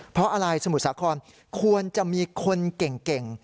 เพราะอะไรสมุทรสาครควรจะมีคนเก่ง